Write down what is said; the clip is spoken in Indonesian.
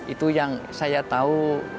itu yang saya tahu